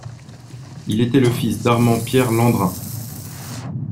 Il était le fils d'Armand Pierre Landrin.